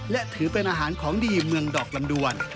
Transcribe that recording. และถือเป็นอาหารของดีเมืองดอกลำดวน